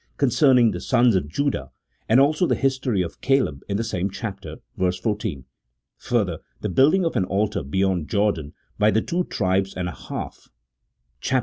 concern ing the sons of Judah, and also the history of Caleb in the same chap. v. 14. Further, the building of an altar beyond Jordan by the two tribes and a half, chap.